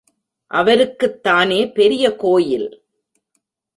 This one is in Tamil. அவருக்குத்தானே பெரிய கோயில்.